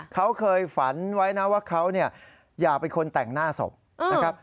เขาเคยฝันไว้นะว่าเขาเนี่ยอย่าเป็นคนแต่งหน้าศพนะครับ